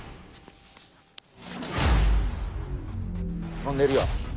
飛んでるよ。